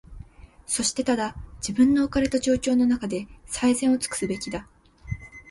そしてただ、自分の置かれた状況のなかで、最善をつくすべきだ。